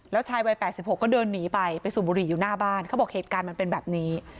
แล้วชายวัย๘๖ก็เดินหนีไปไปสูบบุหรี่อยู่หน้าบ้านเขาบอกเหตุการณ์มันเป็นแบบนี้